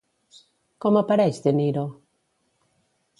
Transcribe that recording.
Com apareix De Niro?